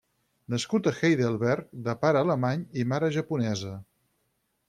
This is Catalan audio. Nascut a Heidelberg, de pare alemany i mare japonesa.